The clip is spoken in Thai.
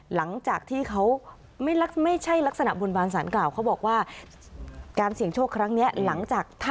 หลังจากที่เขาไม่ใช่ลักษณะบุญบาลสารกล่าว